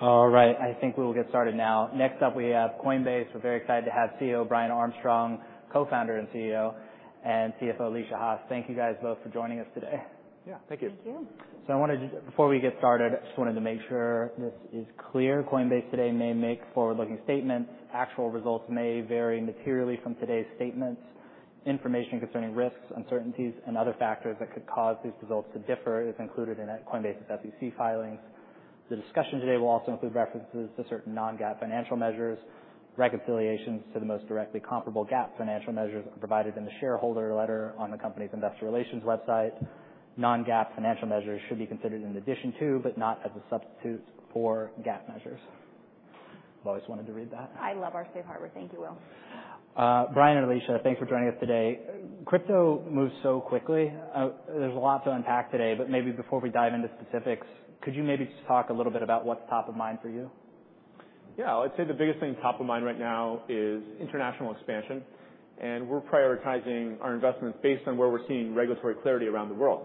All right, I think we will get started now. Next up, we have Coinbase. We're very excited to have CEO Brian Armstrong, Co-founder and CEO, and CFO Alesia Haas. Thank you guys both for joining us today. Yeah, thank you. Thank you. So I wanted to, before we get started, I just wanted to make sure this is clear. Coinbase today may make forward-looking statements. Actual results may vary materially from today's statements. Information concerning risks, uncertainties, and other factors that could cause these results to differ is included in Coinbase's SEC filings. The discussion today will also include references to certain non-GAAP financial measures. Reconciliations to the most directly comparable GAAP financial measures are provided in the shareholder letter on the company's investor relations website. Non-GAAP financial measures should be considered in addition to, but not as a substitute for GAAP measures. I've always wanted to read that. I love our safe harbor. Thank you, Will. Brian and Alesia, thanks for joining us today. Crypto moves so quickly. There's a lot to unpack today, but maybe before we dive into specifics, could you maybe just talk a little bit about what's top of mind for you? Yeah. I would say the biggest thing top of mind right now is international expansion, and we're prioritizing our investments based on where we're seeing regulatory clarity around the world.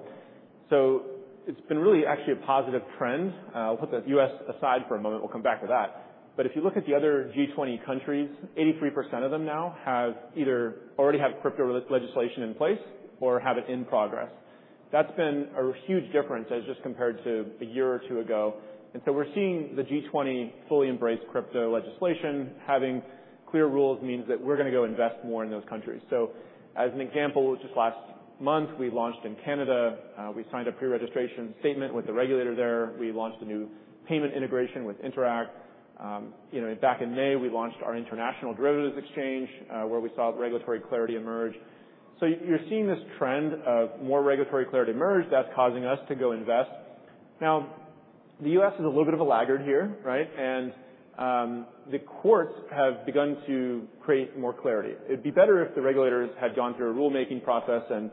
So it's been really actually a positive trend. I'll put the U.S. aside for a moment. We'll come back to that. But if you look at the other G20 countries, 83% of them now have either already have crypto legislation in place or have it in progress. That's been a huge difference as just compared to a year or two ago. And so we're seeing the G20 fully embrace crypto legislation. Having clear rules means that we're gonna go invest more in those countries. So as an example, just last month, we launched in Canada. We signed a pre-registration statement with the regulator there. We launched a new payment integration with Interac. You know, back in May, we launched our international derivatives exchange, where we saw regulatory clarity emerge. So you're seeing this trend of more regulatory clarity emerge that's causing us to go invest. Now, the U.S. is a little bit of a laggard here, right? And the courts have begun to create more clarity. It'd be better if the regulators had gone through a rulemaking process and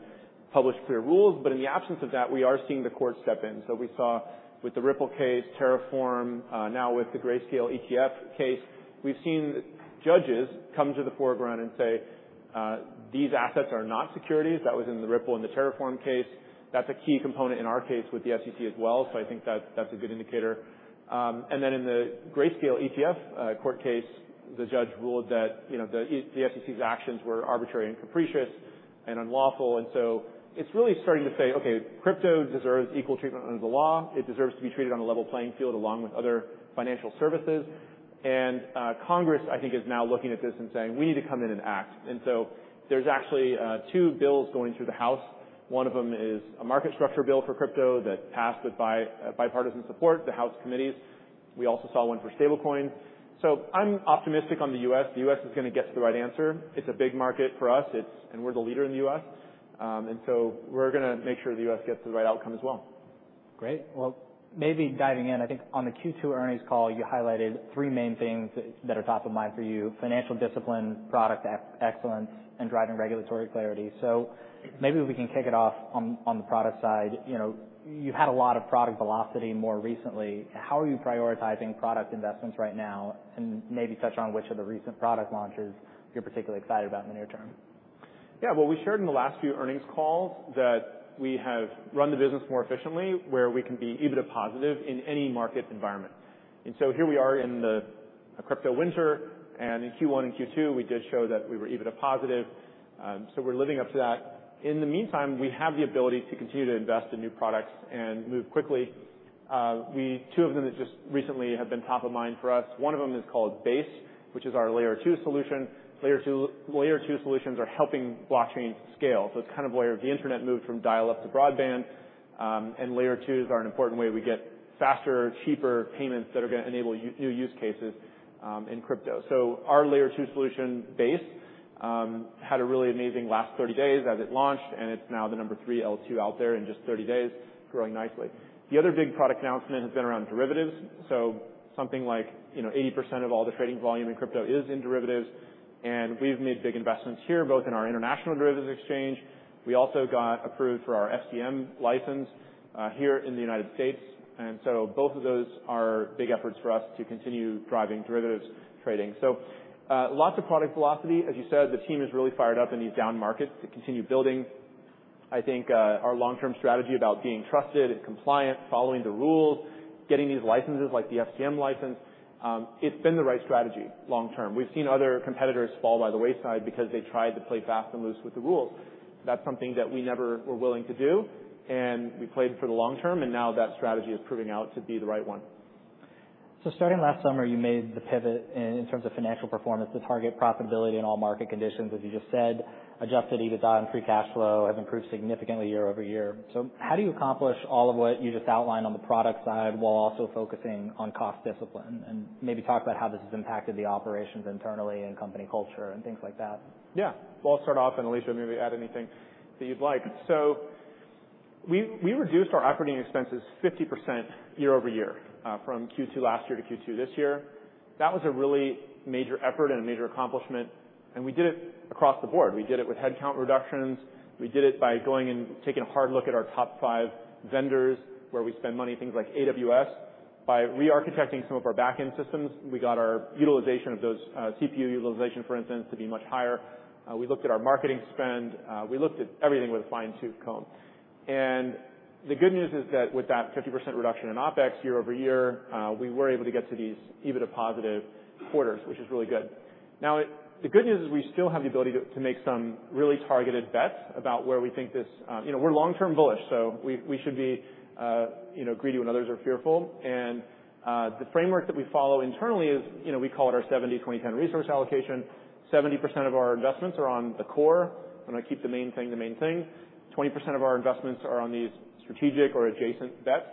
published clear rules, but in the absence of that, we are seeing the courts step in. So we saw with the Ripple case, Terraform, now with the Grayscale ETF case, we've seen judges come to the foreground and say, "These assets are not securities." That was in the Ripple and the Terraform case. That's a key component in our case with the SEC as well, so I think that's, that's a good indicator. In the Grayscale ETF court case, the judge ruled that, you know, the SEC's actions were arbitrary and capricious and unlawful. It's really starting to say, okay, crypto deserves equal treatment under the law. It deserves to be treated on a level playing field along with other financial services. Congress, I think, is now looking at this and saying, "We need to come in and act." There's actually two bills going through the House. One of them is a market structure bill for crypto that passed with bipartisan support, the House committees. We also saw one for stablecoin. I'm optimistic on the U.S. The U.S. is gonna get to the right answer. It's a big market for us, it's-- and we're the leader in the U.S. And so we're gonna make sure the U.S. gets the right outcome as well. Great. Well, maybe diving in, I think on the Q2 earnings call, you highlighted three main things that are top of mind for you: financial discipline, product excellence, and driving regulatory clarity. So maybe we can kick it off on the product side. You know, you had a lot of product velocity more recently. How are you prioritizing product investments right now? And maybe touch on which of the recent product launches you're particularly excited about in the near term. Yeah, well, we shared in the last few earnings calls that we have run the business more efficiently, where we can be EBITDA positive in any market environment. And so here we are in the crypto winter, and in Q1 and Q2, we did show that we were EBITDA positive. So we're living up to that. In the meantime, we have the ability to continue to invest in new products and move quickly. Two of them that just recently have been top of mind for us. One of them is called Base, which is our Layer 2 solution. Layer 2, Layer 2 solutions are helping blockchain scale, so it's kind of where the internet moved from dial-up to broadband. And Layer 2s are an important way we get faster, cheaper payments that are gonna enable new use cases in crypto. So our layer 2 solution, Base, had a really amazing last 30 days as it launched, and it's now the number three L2 out there in just 30 days, growing nicely. The other big product announcement has been around derivatives. So something like, you know, 80% of all the trading volume in crypto is in derivatives, and we've made big investments here, both in our international derivatives exchange. We also got approved for our FCM license here in the United States. And so both of those are big efforts for us to continue driving derivatives trading. So lots of product velocity. As you said, the team is really fired up in these down markets to continue building. I think our long-term strategy about being trusted and compliant, following the rules, getting these licenses, like the FCM license, it's been the right strategy long term. We've seen other competitors fall by the wayside because they tried to play fast and loose with the rules. That's something that we never were willing to do, and we played for the long term, and now that strategy is proving out to be the right one. Starting last summer, you made the pivot in terms of financial performance to target profitability in all market conditions. As you just said, adjusted EBITDA and free cash flow have improved significantly year-over-year. How do you accomplish all of what you just outlined on the product side, while also focusing on cost discipline? And maybe talk about how this has impacted the operations internally and company culture and things like that. Yeah. Well, I'll start off, and Alesia, maybe add anything that you'd like. So we, we reduced our operating expenses 50% year-over-year, from Q2 last year to Q2 this year. That was a really major effort and a major accomplishment, and we did it across the board. We did it with headcount reductions. We did it by going and taking a hard look at our top five vendors, where we spend money, things like AWS. By re-architecting some of our back-end systems, we got our utilization of those, CPU utilization, for instance, to be much higher. We looked at our marketing spend, we looked at everything with a fine-tooth comb. And the good news is that with that 50% reduction in OpEx year-over-year, we were able to get to these EBITDA positive quarters, which is really good. Now, the good news is we still have the ability to make some really targeted bets about where we think this. You know, we're long-term bullish, so we should be, you know, greedy when others are fearful. And the framework that we follow internally is, you know, we call it our 70-20-10 resource allocation. 70% of our investments are on the core. I'm going to keep the main thing, the main thing. 20% of our investments are on these strategic or adjacent bets,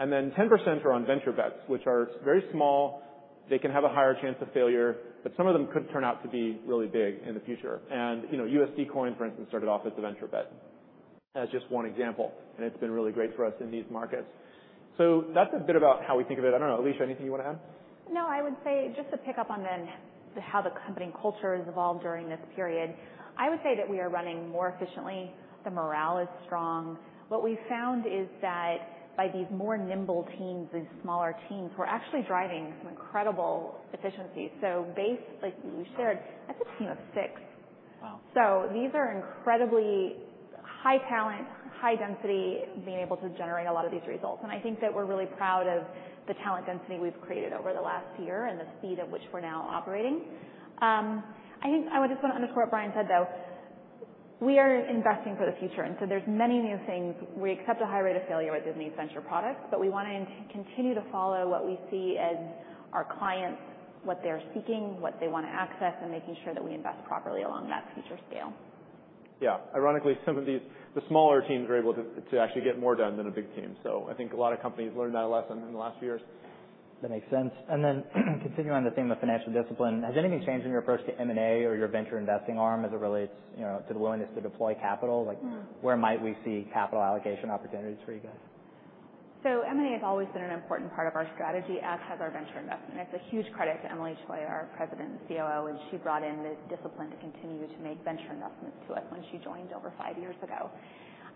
and then 10% are on venture bets, which are very small. They can have a higher chance of failure, but some of them could turn out to be really big in the future. You know, USD Coin, for instance, started off as a venture bet, as just one example, and it's been really great for us in these markets. That's a bit about how we think of it. I don't know. Alesia, anything you want to add? No, I would say just to pick up on the how the company culture has evolved during this period. I would say that we are running more efficiently. The morale is strong. What we've found is that by these more nimble teams and smaller teams, we're actually driving some incredible efficiencies. So Base, like you shared, that's a team of six. Wow! These are incredibly high talent, high density, being able to generate a lot of these results, and I think that we're really proud of the talent density we've created over the last year and the speed at which we're now operating. I think I would just want to underscore what Brian said, though. We are investing for the future, and so there's many new things. We accept a high rate of failure with these venture products, but we want to continue to follow what we see as our clients, what they're seeking, what they want to access, and making sure that we invest properly along that future scale. Yeah. Ironically, some of these, the smaller teams are able to, to actually get more done than a big team. So I think a lot of companies learned that lesson in the last few years. That makes sense. And then continuing on the theme of financial discipline, has anything changed in your approach to M&A or your venture investing arm as it relates, you know, to the willingness to deploy capital? Mm. Like, where might we see capital allocation opportunities for you guys? So M&A has always been an important part of our strategy, as has our venture investment. It's a huge credit to Emilie Choi, our President and COO, when she brought in the discipline to continue to make venture investments to us when she joined over five years ago.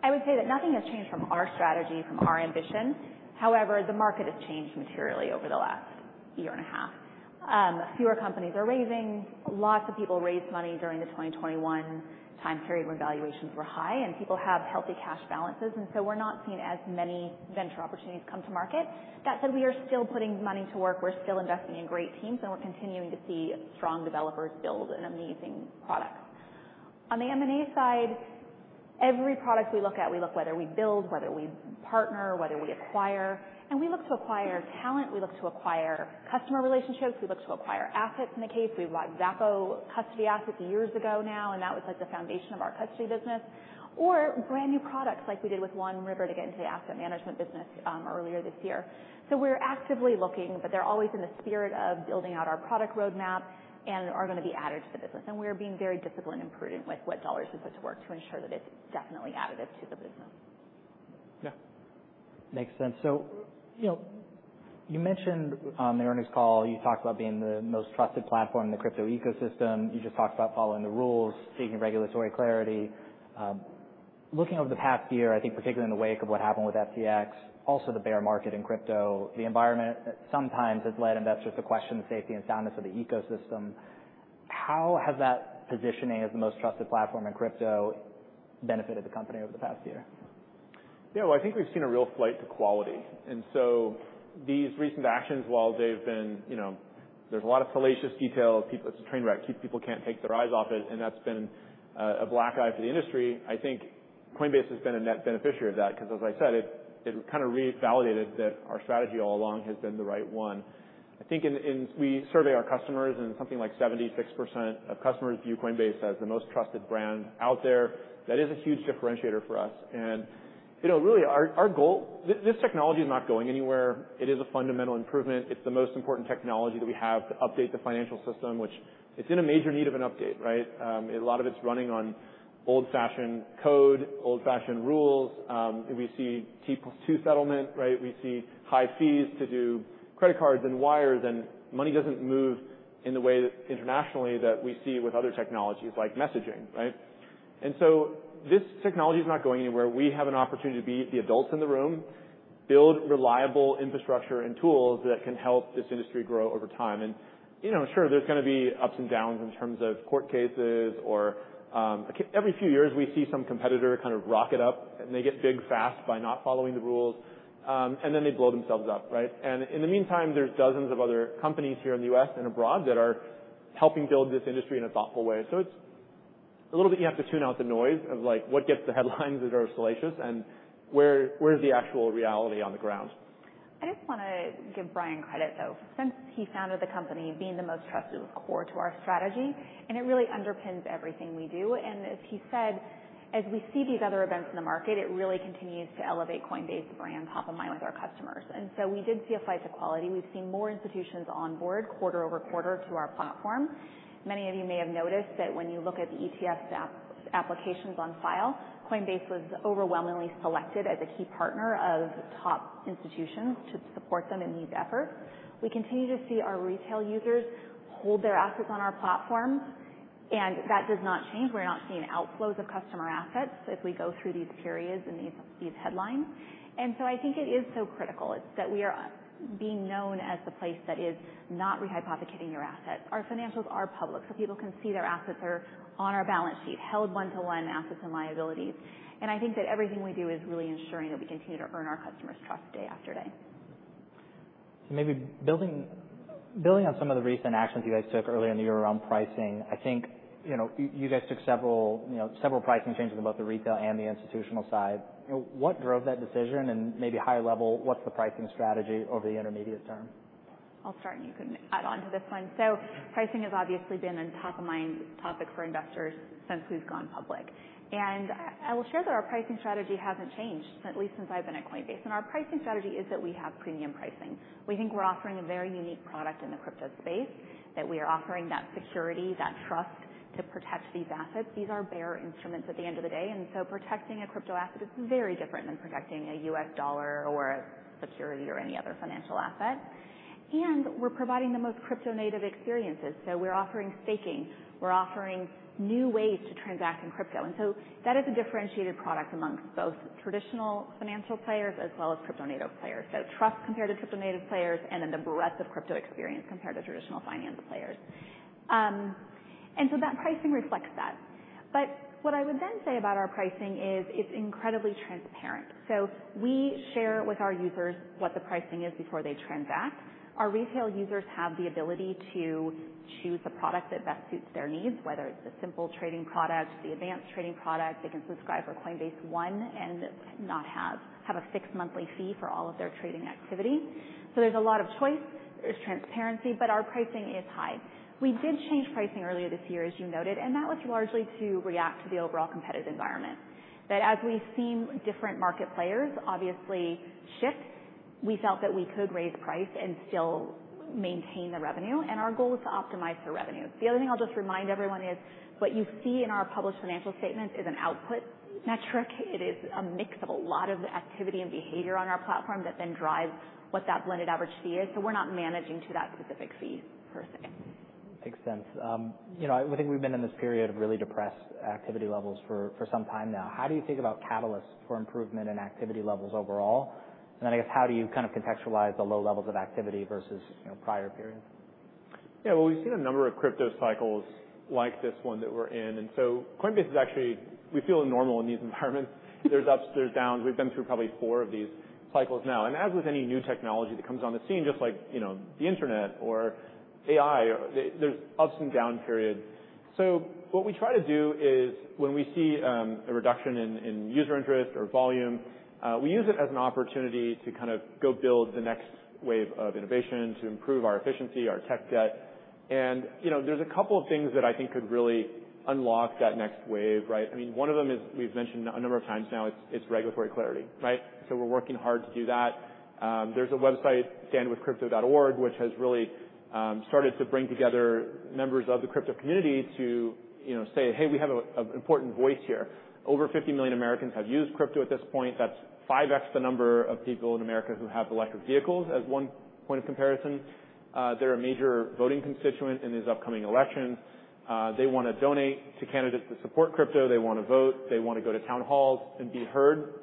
I would say that nothing has changed from our strategy, from our ambition. However, the market has changed materially over the last year and a half. Fewer companies are raising. Lots of people raised money during the 2021 time period, where valuations were high, and people have healthy cash balances, and so we're not seeing as many venture opportunities come to market. That said, we are still putting money to work. We're still investing in great teams, and we're continuing to see strong developers build an amazing product. On the M&A side, every product we look at, we look whether we build, whether we partner, whether we acquire, and we look to acquire talent, we look to acquire customer relationships, we look to acquire assets. In the case, we bought Xapo custody assets years ago now, and that was, like, the foundation of our custody business, or brand-new products like we did with One River to get into the asset management business earlier this year. So we're actively looking, but they're always in the spirit of building out our product roadmap and are going to be added to the business, and we are being very disciplined and prudent with what dollars we put to work to ensure that it's definitely additive to the business. Yeah. Makes sense. So, you know, you mentioned on the earnings call, you talked about being the most trusted platform in the crypto ecosystem. You just talked about following the rules, seeking regulatory clarity. Looking over the past year, I think particularly in the wake of what happened with FTX, also the bear market in crypto, the environment sometimes has led investors to question the safety and soundness of the ecosystem. How has that positioning as the most trusted platform in crypto benefited the company over the past year? Yeah, well, I think we've seen a real flight to quality, and so these recent actions, while they've been, you know, there's a lot of fallacious details. People—it's a train wreck. People can't take their eyes off it, and that's been a black eye for the industry. I think Coinbase has been a net beneficiary of that, because, as I said, it, it kind of revalidated that our strategy all along has been the right one. I think we survey our customers, and something like 76% of customers view Coinbase as the most trusted brand out there. That is a huge differentiator for us. And, you know, really our goal... This technology is not going anywhere. It is a fundamental improvement. It's the most important technology that we have to update the financial system, which it's in a major need of an update, right? A lot of it's running on old-fashioned code, old-fashioned rules. We see T+2 settlement, right? We see high fees to do credit cards and wires, and money doesn't move in the way that internationally that we see with other technologies like messaging, right? And so this technology is not going anywhere. We have an opportunity to be the adults in the room, build reliable infrastructure and tools that can help this industry grow over time. And, you know, sure, there's going to be ups and downs in terms of court cases or, every few years we see some competitor kind of rocket up, and they get big fast by not following the rules, and then they blow themselves up, right? And in the meantime, there's dozens of other companies here in the U.S. and abroad that are helping build this industry in a thoughtful way. So it's a little bit you have to tune out the noise of, like, what gets the headlines that are salacious and where, where is the actual reality on the ground. I just want to give Brian credit, though. Since he founded the company, being the most trusted was core to our strategy, and it really underpins everything we do. And as he said, as we see these other events in the market, it really continues to elevate Coinbase brand top of mind with our customers. And so we did see a flight to quality. We've seen more institutions on board quarter-over-quarter to our platform. Many of you may have noticed that when you look at the ETF applications on file, Coinbase was overwhelmingly selected as a key partner of top institutions to support them in these efforts. We continue to see our retail users hold their assets on our platform, and that does not change. We're not seeing outflows of customer assets as we go through these periods and these headlines. So I think it is so critical that we are being known as the place that is not re-hypothecating your assets. Our financials are public, so people can see their assets are on our balance sheet, held one-to-one assets and liabilities. I think that everything we do is really ensuring that we continue to earn our customers' trust day after day. So maybe building on some of the recent actions you guys took earlier in the year around pricing, I think, you know, you guys took several, you know, several pricing changes in both the retail and the institutional side. What drove that decision? And maybe high level, what's the pricing strategy over the intermediate term? I'll start, and you can add on to this one. Pricing has obviously been a top-of-mind topic for investors since we've gone public. I will share that our pricing strategy hasn't changed, at least since I've been at Coinbase. Our pricing strategy is that we have premium pricing. We think we're offering a very unique product in the crypto space, that we are offering that security, that trust to protect these assets. These are bearer instruments at the end of the day, and so protecting a crypto asset is very different than protecting a U.S. dollar or a security or any other financial asset. We're providing the most crypto-native experiences. We're offering staking, we're offering new ways to transact in crypto. That is a differentiated product amongst both traditional financial players as well as crypto-native players. So trust compared to crypto-native players, and then the breadth of crypto experience compared to traditional finance players. And so that pricing reflects that. But what I would then say about our pricing is it's incredibly transparent. So we share with our users what the pricing is before they transact. Our retail users have the ability to choose a product that best suits their needs, whether it's the simple trading product, the advanced trading product. They can subscribe for Coinbase One and not have a fixed monthly fee for all of their trading activity. So there's a lot of choice, there's transparency, but our pricing is high. We did change pricing earlier this year, as you noted, and that was largely to react to the overall competitive environment. That, as we've seen different market players obviously shift, we felt that we could raise price and still maintain the revenue, and our goal is to optimize the revenue. The other thing I'll just remind everyone is, what you see in our published financial statement is an output metric. It is a mix of a lot of activity and behavior on our platform that then drives what that blended average fee is, so we're not managing to that specific fee per se. Makes sense. You know, I think we've been in this period of really depressed activity levels for, for some time now. How do you think about catalysts for improvement in activity levels overall? And then, I guess, how do you kind of contextualize the low levels of activity versus, you know, prior periods? Yeah, well, we've seen a number of crypto cycles like this one that we're in, and so Coinbase is actually... We feel normal in these environments. There's ups, there's downs. We've been through probably four of these cycles now. And as with any new technology that comes on the scene, just like, you know, the internet or AI, or there's ups and down periods. So what we try to do is when we see a reduction in, in user interest or volume, we use it as an opportunity to kind of go build the next wave of innovation, to improve our efficiency, our tech debt. And, you know, there's a couple of things that I think could really unlock that next wave, right? I mean, one of them is, we've mentioned a number of times now, it's, it's regulatory clarity, right? So we're working hard to do that. There's a website, standwithcrypto.org, which has really started to bring together members of the crypto community to, you know, say, "Hey, we have an important voice here." Over 50 million Americans have used crypto at this point. That's 5x the number of people in America who have electric vehicles, as one point of comparison. They're a major voting constituent in this upcoming election. They wanna donate to candidates to support crypto. They wanna vote, they want to go to town halls and be heard.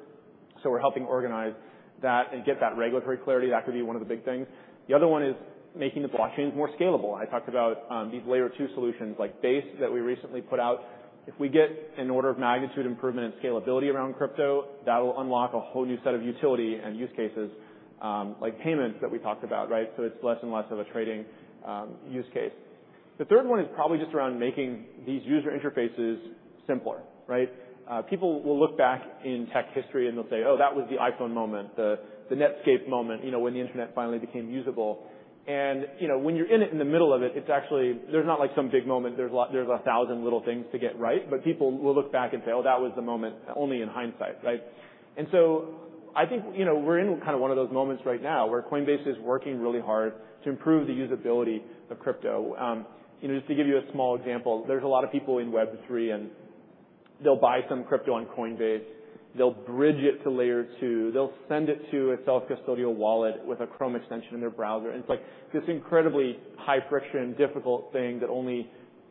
So we're helping organize that and get that regulatory clarity. That could be one of the big things. The other one is making the blockchains more scalable. I talked about these Layer 2 solutions like Base that we recently put out. If we get an order of magnitude improvement in scalability around crypto, that will unlock a whole new set of utility and use cases, like payments that we talked about, right? So it's less and less of a trading use case. The third one is probably just around making these user interfaces simpler, right? People will look back in tech history, and they'll say, "Oh, that was the iPhone moment, the, the Netscape moment, you know, when the internet finally became usable." And, you know, when you're in it, in the middle of it, it's actually... There's not like some big moment. There's a thousand little things to get right, but people will look back and say, "Oh, that was the moment," only in hindsight, right? And so I think, you know, we're in kind of one of those moments right now, where Coinbase is working really hard to improve the usability of crypto. You know, just to give you a small example, there's a lot of people in Web3, and they'll buy some crypto on Coinbase. They'll bridge it to Layer 2, they'll send it to a self-custodial wallet with a Chrome extension in their browser, and it's like this incredibly high-friction, difficult thing that only,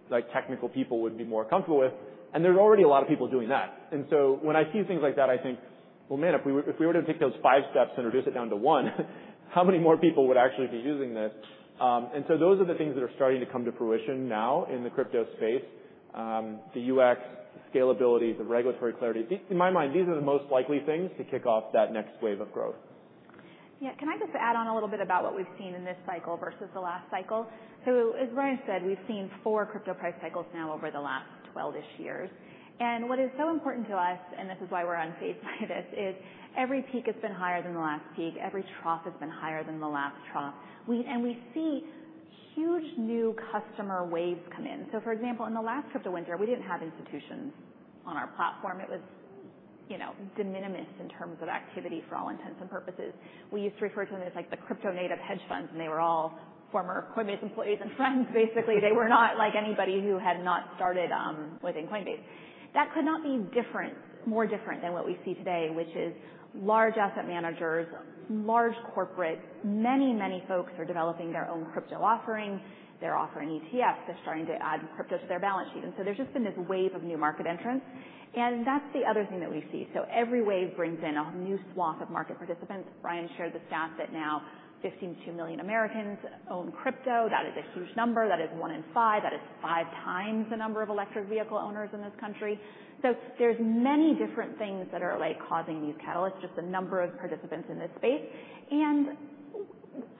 like, technical people would be more comfortable with. And there are already a lot of people doing that. And so when I see things like that, I think, "Well, man, if we were, if we were to take those five steps and reduce it down to one, how many more people would actually be using this?" And so those are the things that are starting to come to fruition now in the crypto space. The UX, the scalability, the regulatory clarity. These, in my mind, these are the most likely things to kick off that next wave of growth. Yeah. Can I just add on a little bit about what we've seen in this cycle versus the last cycle? So as Brian said, we've seen four crypto price cycles now over the last 12-ish years. And what is so important to us, and this is why we're unfazed by this, is every peak has been higher than the last peak. Every trough has been higher than the last trough. We, and we see huge new customer waves come in. So for example, in the last crypto winter, we didn't have institutions on our platform. It was, you know, de minimis in terms of activity for all intents and purposes. We used to refer to them as, like, the crypto-native hedge funds, and they were all former Coinbase employees and friends, basically. They were not like anybody who had not started within Coinbase. That could not be more different than what we see today, which is large asset managers, large corporate. Many, many folks are developing their own crypto offerings. They're offering ETFs, they're starting to add crypto to their balance sheet. There's just been this wave of new market entrants, and that's the other thing that we see. Every wave brings in a new swath of market participants. Brian shared the stat that now 15-20 million Americans own crypto. That is a huge number. That is one in five. That is five times the number of electric vehicle owners in this country. There's many different things that are, like, causing these catalysts, just the number of participants in this space, and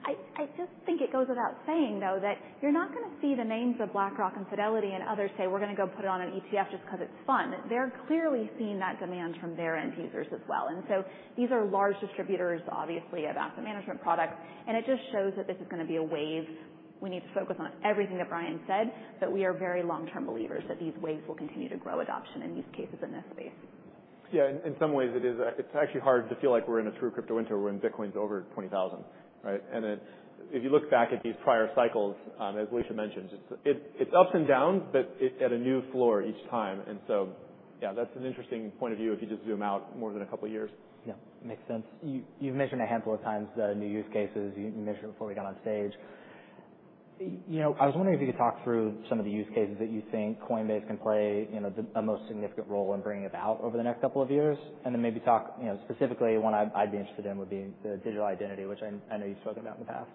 I just think it goes without saying, though, that you're not gonna see the names of BlackRock and Fidelity and others say, "We're gonna go put it on an ETF just 'cause it's fun." They're clearly seeing that demand from their end users as well, and so these are large distributors, obviously, of asset management products, and it just shows that this is gonna be a wave. We need to focus on everything that Brian said, but we are very long-term believers that these waves will continue to grow adoption in these cases, in this space. Yeah, in some ways, it is. It's actually hard to feel like we're in a true crypto winter when Bitcoin's over $20,000, right? And it, if you look back at these prior cycles, as Alesia mentioned, it's up and down, but it, at a new floor each time. And so, yeah, that's an interesting point of view if you just zoom out more than a couple of years. Yeah. Makes sense. You've mentioned a handful of times the new use cases. You mentioned it before we got on stage. I was wondering if you could talk through some of the use cases that you think Coinbase can play, you know, the most significant role in bringing out over the next couple of years, and then maybe talk, you know, specifically, one I'd be interested in would be the digital identity, which I know you've spoken about in the past.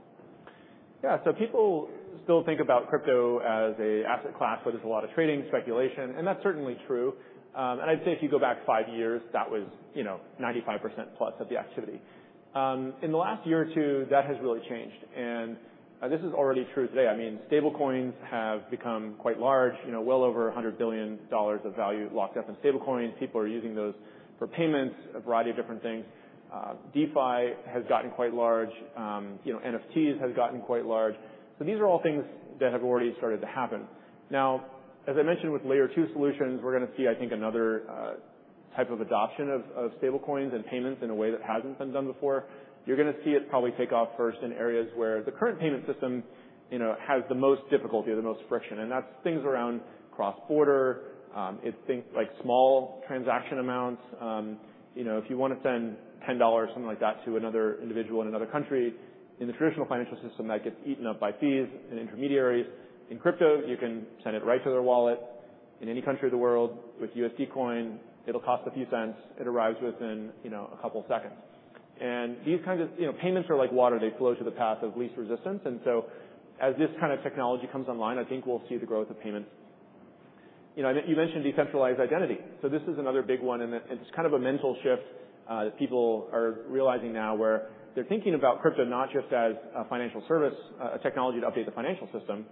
Yeah. People still think about crypto as an asset class, where there's a lot of trading, speculation, and that's certainly true. I'd say if you go back five years, that was, you know, 95% plus of the activity. In the last year or two, that has really changed, and this is already true today. I mean, stable coins have become quite large, you know, well over $100 billion of value locked up in stable coins. People are using those for payments, a variety of different things. DeFi has gotten quite large. You know, NFTs have gotten quite large. These are all things that have already started to happen. Now, as I mentioned, with layer two solutions, we're gonna see, I think, another type of adoption of stablecoins and payments in a way that hasn't been done before. You're gonna see it probably take off first in areas where the current payment system, you know, has the most difficulty or the most friction, and that's things around cross-border. It's things like small transaction amounts. You know, if you wanna send $10, something like that, to another individual in another country, in the traditional financial system, that gets eaten up by fees and intermediaries. In crypto, you can send it right to their wallet in any country of the world with USD Coin, it'll cost a few cents. It arrives within, you know, a couple seconds. And these kinds of... You know, payments are like water. They flow to the path of least resistance, and so as this kind of technology comes online, I think we'll see the growth of payments. You know, and you mentioned decentralized identity. So this is another big one, and it's kind of a mental shift that people are realizing now, where they're thinking about crypto not just as a financial service, a technology to update the financial system.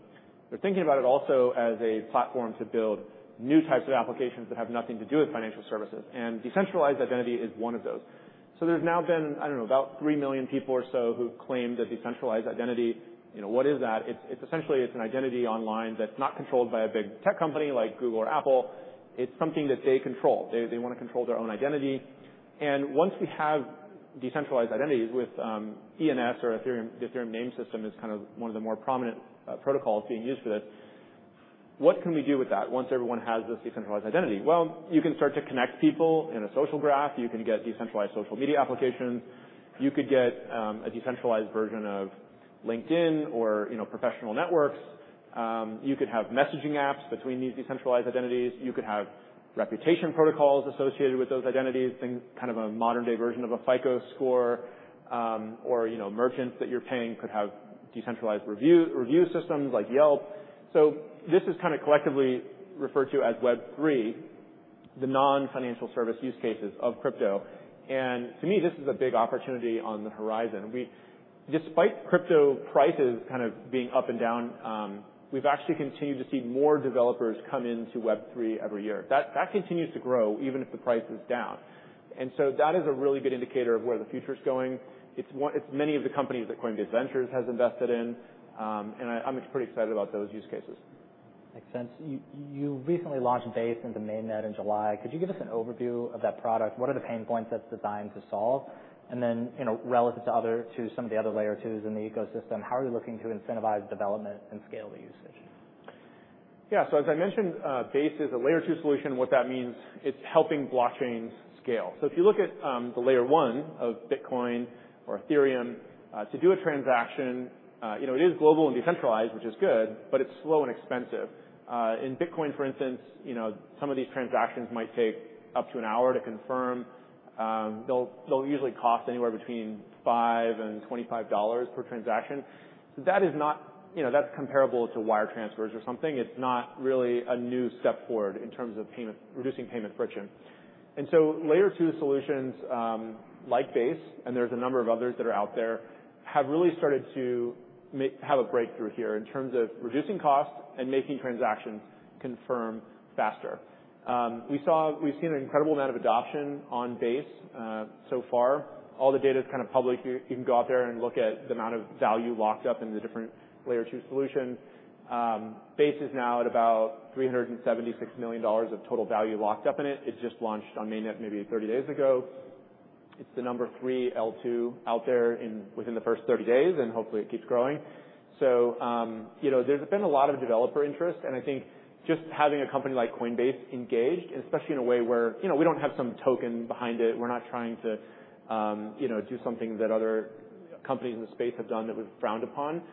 They're thinking about it also as a platform to build new types of applications that have nothing to do with financial services, and decentralized identity is one of those. So there's now been, I don't know, about 3 million people or so who've claimed a decentralized identity. You know, what is that? It's essentially an identity online that's not controlled by a big tech company like Google or Apple. It's something that they control. They, they wanna control their own identity, and once we have decentralized identities with ENS or Ethereum, the Ethereum Name Service is kind of one of the more prominent protocols being used for this. What can we do with that once everyone has this decentralized identity? Well, you can start to connect people in a social graph. You can get decentralized social media applications. You could get a decentralized version of LinkedIn or, you know, professional networks. You could have messaging apps between these decentralized identities. You could have reputation protocols associated with those identities, things, kind of a modern-day version of a FICO score, or, you know, merchants that you're paying could have decentralized review systems like Yelp. So this is kind of collectively referred to as Web3, the non-financial service use cases of crypto, and to me, this is a big opportunity on the horizon. Despite crypto prices kind of being up and down, we've actually continued to see more developers come into Web3 every year. That continues to grow even if the price is down, and so that is a really good indicator of where the future's going. It's many of the companies that Coinbase Ventures has invested in, and I, I'm pretty excited about those use cases. Makes sense. You recently launched Base into Mainnet in July. Could you give us an overview of that product? What are the pain points it's designed to solve? And then, you know, relative to other, to some of the other Layer 2s in the ecosystem, how are you looking to incentivize development and scale the usage? Yeah. So as I mentioned, Base is a Layer 2 solution. What that means, it's helping blockchains scale. So if you look at the Layer 1 of Bitcoin or Ethereum, to do a transaction, you know, it is global and decentralized, which is good, but it's slow and expensive. In Bitcoin, for instance, you know, some of these transactions might take up to an hour to confirm. They'll usually cost anywhere between $5-$25 per transaction. So that is not... You know, that's comparable to wire transfers or something. It's not really a new step forward in terms of payment, reducing payment friction. And so Layer 2 solutions like Base, and there's a number of others that are out there, have really started to have a breakthrough here in terms of reducing costs and making transactions confirm faster. We've seen an incredible amount of adoption on Base so far. All the data is kind of public. You can go out there and look at the amount of value locked up in the different Layer 2 solution. Base is now at about $376 million of total value locked up in it. It just launched on Mainnet maybe 30 days ago. It's the number three L2 out there within the first 30 days, and hopefully, it keeps growing. So, you know, there's been a lot of developer interest, and I think just having a company like Coinbase engaged, and especially in a way where, you know, we don't have some token behind it. We're not trying to, you know, do something that other companies in the space have done that was frowned upon.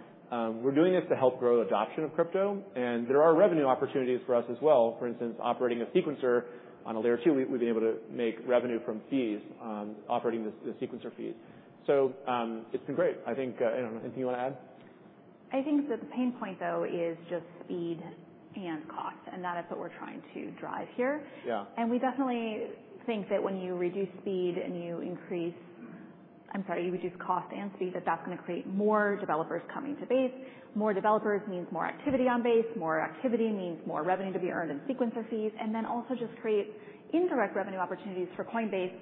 We're doing this to help grow adoption of crypto, and there are revenue opportunities for us as well. For instance, operating a sequencer on a Layer 2, we've been able to make revenue from fees, operating the sequencer fees. So, it's been great. I think... I don't know. Anything you want to add? I think that the pain point, though, is just speed and cost, and that is what we're trying to drive here. Yeah. And we definitely think that when you reduce speed and you increase-- I'm sorry, you reduce cost and speed, that that's going to create more developers coming to Base. More developers means more activity on Base. More activity means more revenue to be earned in Sequencer fees, and then also just create indirect revenue opportunities for Coinbase,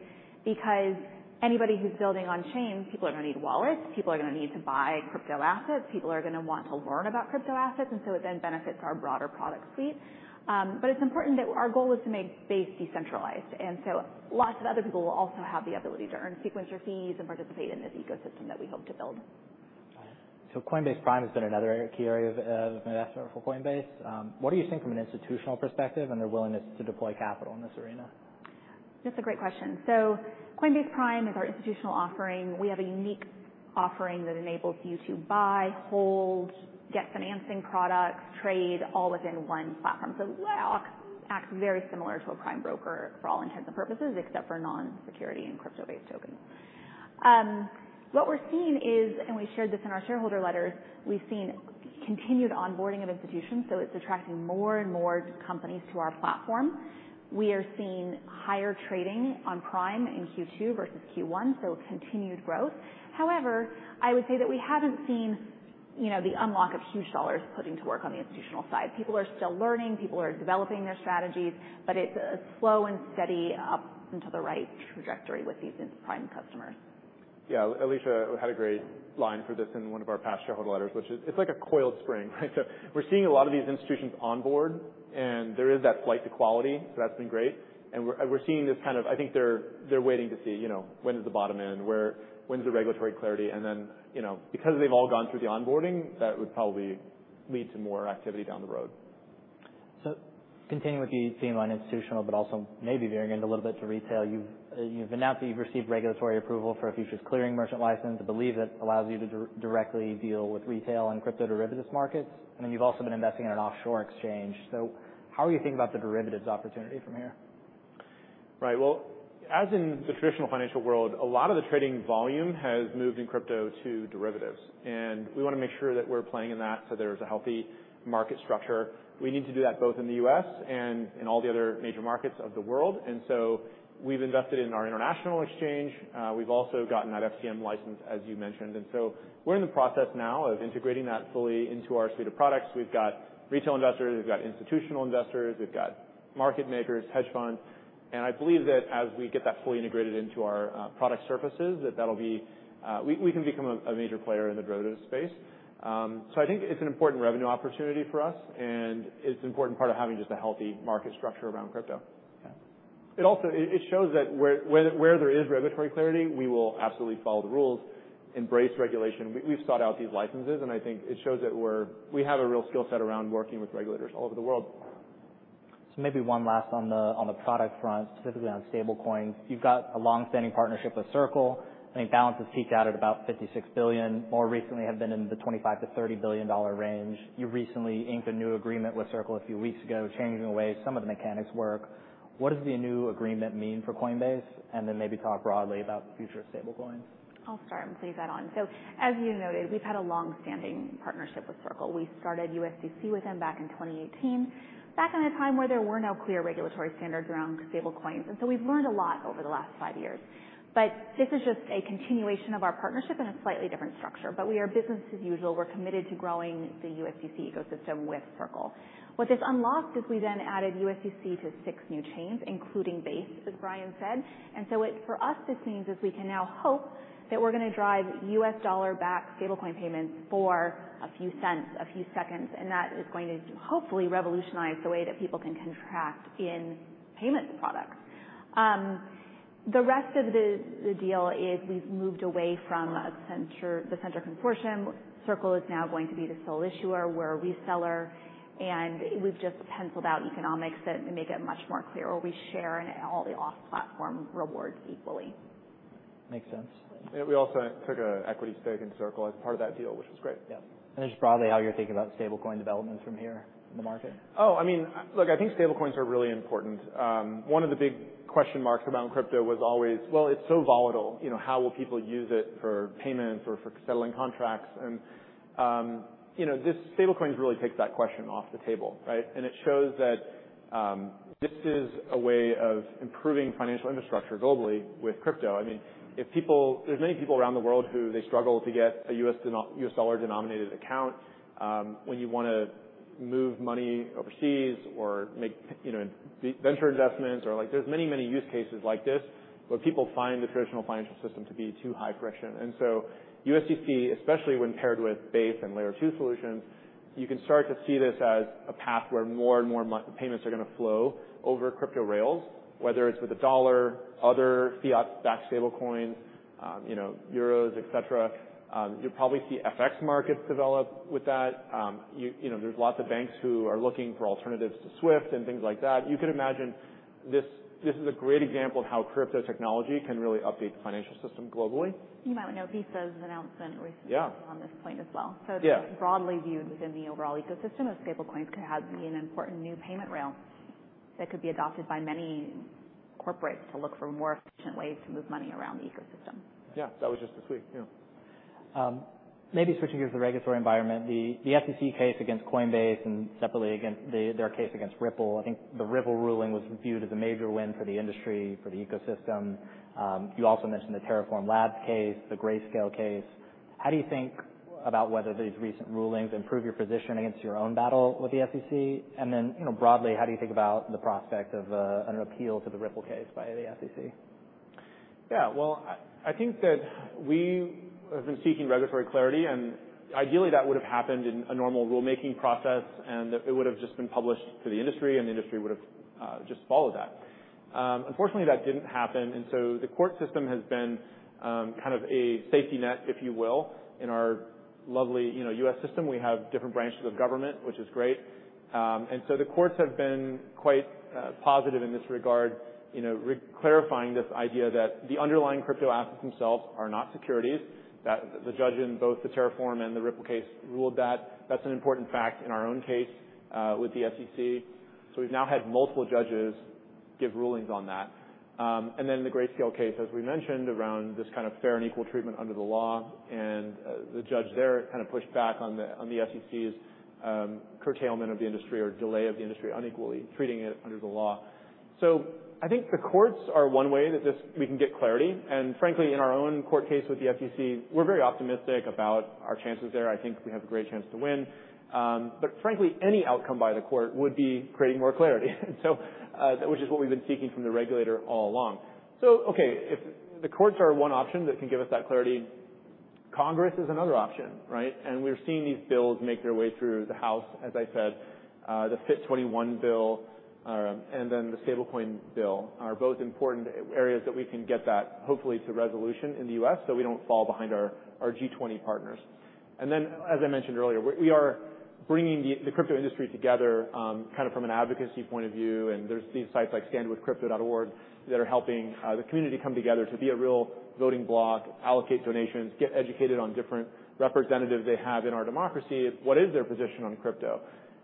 because anybody who's building on chain, people are going to need wallets, people are going to need to buy crypto assets, people are going to want to learn about crypto assets, and so it then benefits our broader product suite. But it's important that our goal is to make Base decentralized, and so lots of other people will also have the ability to earn Sequencer fees and participate in this ecosystem that we hope to build. So Coinbase Prime has been another area, key area of investment for Coinbase. What do you think from an institutional perspective and their willingness to deploy capital in this arena? That's a great question. So Coinbase Prime is our institutional offering. We have a unique offering that enables you to buy, hold, get financing products, trade, all within one platform. So it acts very similar to a prime broker for all intents and purposes, except for non-security and crypto-based tokens. What we're seeing is, and we shared this in our shareholder letters, we've seen continued onboarding of institutions, so it's attracting more and more companies to our platform. We are seeing higher trading on Prime in Q2 versus Q1, so continued growth. However, I would say that we haven't seen, you know, the unlock of huge dollars putting to work on the institutional side. People are still learning. People are developing their strategies, but it's slow and steady up into the right trajectory with these Prime customers. Yeah. Alesia had a great line for this in one of our past shareholder letters, which is, "It's like a coiled spring." Right? So we're seeing a lot of these institutions on board, and there is that flight to quality, so that's been great. And we're, and we're seeing this kind of... I think they're, they're waiting to see, you know, when's the regulatory clarity? And then, you know, because they've all gone through the onboarding, that would probably lead to more activity down the road. So continuing with the theme on institutional, but also maybe veering in a little bit to retail, you've announced that you've received regulatory approval for a futures commission merchant license. I believe that allows you to directly deal with retail and crypto derivatives markets, and then you've also been investing in an offshore exchange. So how are you thinking about the derivatives opportunity from here? Right. Well, as in the traditional financial world, a lot of the trading volume has moved in crypto to derivatives, and we want to make sure that we're playing in that, so there's a healthy market structure. We need to do that both in the U.S. and in all the other major markets of the world, and so we've invested in our international exchange. We've also gotten that FCM license, as you mentioned. And so we're in the process now of integrating that fully into our suite of products. We've got retail investors, we've got institutional investors, we've got market makers, hedge funds, and I believe that as we get that fully integrated into our product surfaces, that that'll be, we can become a major player in the derivatives space. So, I think it's an important revenue opportunity for us, and it's an important part of having just a healthy market structure around crypto. Yeah. It also shows that where there is regulatory clarity, we will absolutely follow the rules, embrace regulation. We've sought out these licenses, and I think it shows that we're, we have a real skill set around working with regulators all over the world. So maybe one last on the, on the product front, specifically on stablecoins. You've got a long-standing partnership with Circle. I think balances peaked out at about $56 billion, more recently have been in the $25-$30 billion range. You recently inked a new agreement with Circle a few weeks ago, changing the way some of the mechanics work. What does the new agreement mean for Coinbase? And then maybe talk broadly about the future of stablecoins. I'll start and leave that on. So as you noted, we've had a long-standing partnership with Circle. We started USDC with them back in 2018, back in a time where there were no clear regulatory standards around stablecoins, and so we've learned a lot over the last five years. But this is just a continuation of our partnership in a slightly different structure. But we are business as usual. We're committed to growing the USDC ecosystem with Circle. What this unlocked is we then added USDC to six new chains, including Base, as Brian said. And so, for us, this means we can now hope that we're going to drive U.S. dollar-backed stablecoin payments for a few cents, a few seconds, and that is going to hopefully revolutionize the way that people can contract in payments products. The rest of the deal is we've moved away from Centre, the Centre Consortium. Circle is now going to be the sole issuer. We're a reseller, and we've just penciled out economics that make it much more clearer. We share in all the off-platform rewards equally. Makes sense. We also took an equity stake in Circle as part of that deal, which was great. Yeah. And just broadly, how you're thinking about stablecoin developments from here in the market? Oh, I mean, look, I think stablecoin are really important. One of the big question marks about crypto was always, Well, it's so volatile, you know, how will people use it for payments or for settling contracts? And, you know, this stablecoin really takes that question off the table, right? And it shows that, this is a way of improving financial infrastructure globally with crypto. I mean, if people—there's many people around the world who they struggle to get a U.S. dollar-denominated account, when you want to move money overseas or make, you know, venture investments or like. There's many, many use cases like this, where people find the traditional financial system to be too high friction. USDC, especially when paired with Base and Layer 2 solutions, you can start to see this as a path where more and more money—payments are going to flow over crypto rails, whether it's with the US dollar, other fiat-backed stablecoins, you know, euros, et cetera. You'll probably see FX markets develop with that. You know, there's lots of banks who are looking for alternatives to SWIFTand things like that. You could imagine this is a great example of how crypto technology can really update the financial system globally. You might know Visa's announcement recently- Yeah On this point as well. Yeah. It's broadly viewed within the overall ecosystem of stablecoins could have been an important new payment rail that could be adopted by many corporates to look for more efficient ways to move money around the ecosystem. Yeah, that was just this week, yeah. Maybe switching gears to the regulatory environment, the SEC case against Coinbase and separately against their case against Ripple. I think the Ripple ruling was viewed as a major win for the industry, for the ecosystem. You also mentioned the Terraform Labs case, the Grayscale case. How do you think about whether these recent rulings improve your position against your own battle with the SEC? And then, you know, broadly, how do you think about the prospect of an appeal to the Ripple case by the SEC? Yeah, well, I think that we have been seeking regulatory clarity, and ideally, that would have happened in a normal rulemaking process, and it would have just been published to the industry, and the industry would have just followed that. Unfortunately, that didn't happen, and so the court system has been kind of a safety net, if you will, in our lovely, you know, U.S. system. We have different branches of government, which is great. And so the courts have been quite positive in this regard, you know, clarifying this idea that the underlying crypto assets themselves are not securities. That the judge in both the Terraform and the Ripple case ruled that. That's an important fact in our own case with the SEC. So we've now had multiple judges give rulings on that. And then the Grayscale case, as we mentioned, around this kind of fair and equal treatment under the law, and the judge there kind of pushed back on the, on the SEC's, curtailment of the industry or delay of the industry, unequally treating it under the law. So I think the courts are one way that we can get clarity. And frankly, in our own court case with the SEC, we're very optimistic about our chances there. I think we have a great chance to win. But frankly, any outcome by the court would be creating more clarity. And so, which is what we've been seeking from the regulator all along. So okay, if the courts are one option that can give us that clarity, Congress is another option, right? And we're seeing these bills make their way through the House, as I said. The FIT21 bill, and then the Stablecoin bill are both important areas that we can get that, hopefully, to resolution in the US, so we don't fall behind our G-20 partners. And then, as I mentioned earlier, we are bringing the crypto industry together, kind of from an advocacy point of view, and there's these sites like standwithcrypto.org that are helping the community come together to be a real voting bloc, allocate donations, get educated on different representatives they have in our democracy. What is their position on crypto?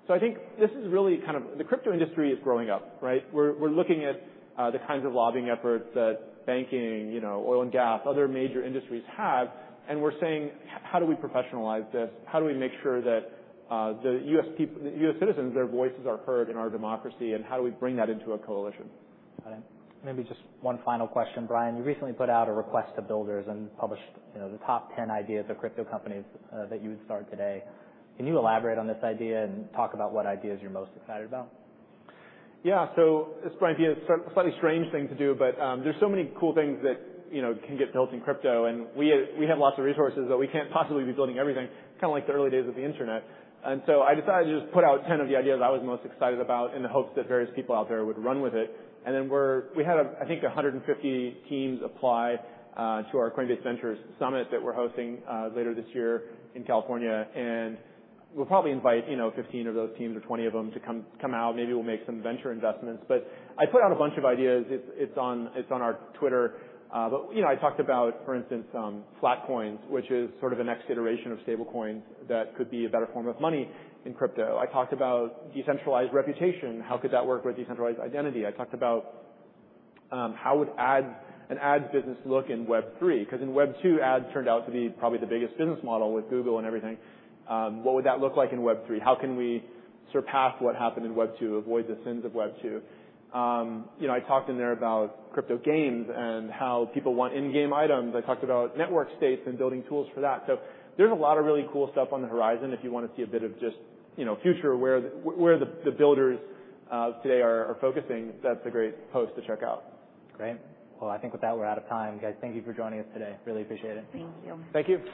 So I think this is really kind of... The crypto industry is growing up, right? We're looking at the kinds of lobbying efforts that banking, you know, oil and gas, other major industries have, and we're saying, "How do we professionalize this? How do we make sure that the U.S. citizens, their voices are heard in our democracy, and how do we bring that into a coalition? Got it. Maybe just one final question, Brian. You recently put out a request to builders and published, you know, the top ten ideas of crypto companies that you would start today. Can you elaborate on this idea and talk about what ideas you're most excited about? Yeah, so this might be a slightly strange thing to do, but there's so many cool things that, you know, can get built in crypto, and we have lots of resources, but we can't possibly be building everything, kinda like the early days of the internet. So I decided to just put out 10 of the ideas I was most excited about in the hopes that various people out there would run with it. Then we had, I think, 150 teams apply to our Coinbase Ventures summit that we're hosting later this year in California, and we'll probably invite, you know, 15 of those teams or 20 of them to come out. Maybe we'll make some venture investments. But I put out a bunch of ideas. It's on our Twitter. But, you know, I talked about, for instance, flatcoins, which is sort of a next iteration of stablecoins that could be a better form of money in crypto. I talked about decentralized reputation. How could that work with decentralized identity? I talked about how would ads, an ads business look in Web3? 'Cause in Web2, ads turned out to be probably the biggest business model with Google and everything. What would that look like in Web3? How can we surpass what happened in Web2, avoid the sins of Web2? You know, I talked in there about crypto games and how people want in-game items. I talked about Network States and building tools for that. So there's a lot of really cool stuff on the horizon if you wanna see a bit of just, you know, future, where the builders today are focusing. That's a great post to check out. Great. Well, I think with that, we're out of time. Guys, thank you for joining us today. Really appreciate it. Thank you. Thank you.